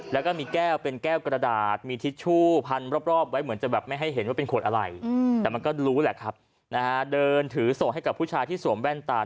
แต่มันก็รู้แหละครับเดินถือส่งให้กับผู้ชายที่สวมแว่นตา